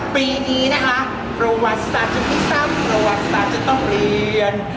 ปีนี้นะคะประวัติศาสตร์ที่สร้างประวัติศาสตร์จะต้องเรียน